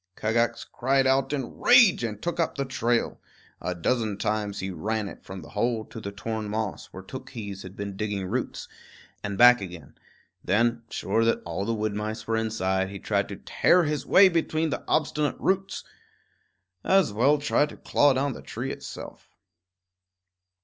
Kagax cried out in rage and took up the trail. A dozen times he ran it from the hole to the torn moss, where Tookhees had been digging roots, and back again; then, sure that all the wood mice were inside, he tried to tear his way between the obstinate roots. As well try to claw down the tree itself.